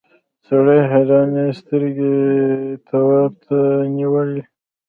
سړي حیرانې سترګې تواب ته نیولې.